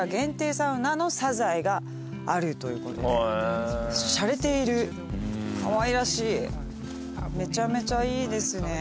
サウナのＳＡＺＡＥがあるということでシャレているかわいらしいめちゃめちゃいいですね